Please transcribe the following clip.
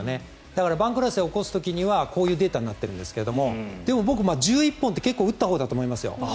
だから番狂わせを起こす時にはこういうデータになっているんですがでも、僕は１１本って結構打ったほうだと思いますよ。